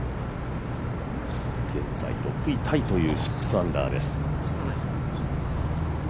現在６位タイという６アンダーです。